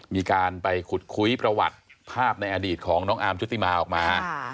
มีการไปขุดคุยประวัติภาพในอดีตของน้องอาร์มชุติมาออกมา